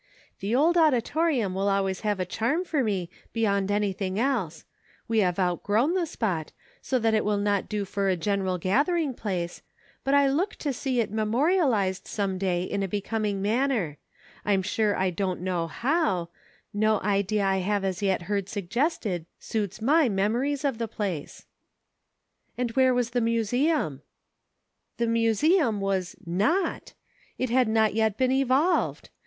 The old auditorium will always have a charm for me EVOLUTION. 247 beyond anything else ; we have outgrown the spot, so that it will not do for a general gathering place, but I look to see it memorialized some day in a be coming manner; I'm sure I don't ^novf how ; no idea I have as yet heard suggested suits my memo ries of the place." " And where was the museum ?"*' The museum was not ; it had not yet been * evolved.'